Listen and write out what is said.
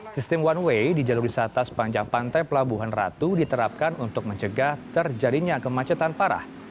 sistem one way di jalur wisata sepanjang pantai pelabuhan ratu diterapkan untuk mencegah terjadinya kemacetan parah